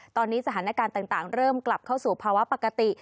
ตอนนี้สถานการณ์ต่างเริ่มกลับเข้าสู่ภาวะปกติ